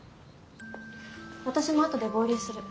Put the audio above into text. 私もあとで合流する。